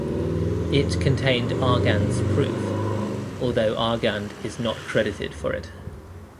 It contained Argand's proof, although Argand is not credited for it.